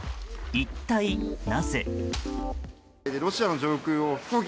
一体なぜ？